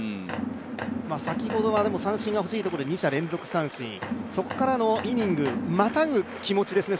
先ほどは三振がほしいところで２者連続三振、そこからのイニングまたぐ気持ちですね